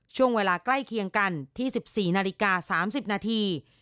ช่วงเวลาใกล้เคียงกันที่๑๔นาฬิกา๓๐นาที